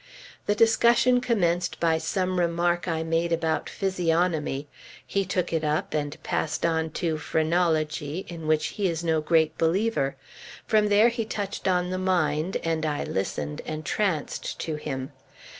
The discussion commenced by some remark I made about physiognomy; he took it up, and passed on to phrenology in which he is no great believer. From there he touched on the mind, and I listened, entranced, to him.